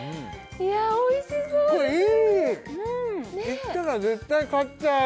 行ったら絶対買っちゃう！